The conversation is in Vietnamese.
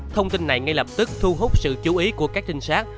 thông tin này ngay lập tức thu hút sự chú ý của các trinh sát